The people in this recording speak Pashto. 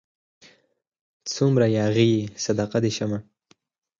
څونه ياغي يې صدقه دي سمه